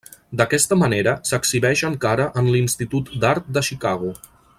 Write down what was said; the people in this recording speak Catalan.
D'aquesta manera s'exhibeix encara en l'Institut d'Art de Chicago.